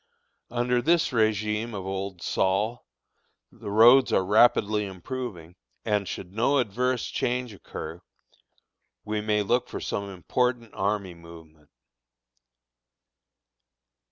Under this régime of old Sol, the roads are rapidly improving, and should no adverse change occur, we may look for some important army movement.